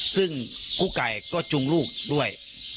ซึ่งกุ๊กไก่ก็จุงลูกด้วย